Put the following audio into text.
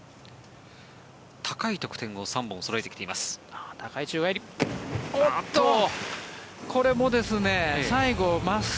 高い得点を３本そろえてきています。